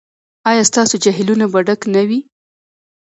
ایا ستاسو جهیلونه به ډک نه وي؟